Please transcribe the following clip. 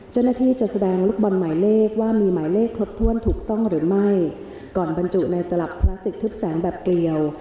เจ้าหน้าที่จะแสดงลูกบอลหมายเลขว่ามีหมายเลขครบถ้วนถูกต้องหรือไม่ก่อนบรรจุในตลับพลาสติกทึบแสงแบบเกลียว